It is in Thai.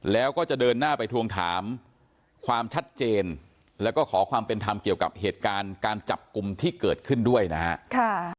แล้วก็จะเดินหน้าไปทวงถามความชัดเจนแล้วก็ขอความเป็นธรรมเกี่ยวกับเหตุการณ์การจับกลุ่มที่เกิดขึ้นด้วยนะฮะ